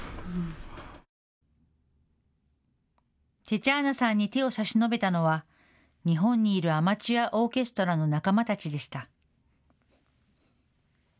テチャーナさんに手を差し伸べたのは、日本にいるアマチュアオーケストラの仲間たちでした。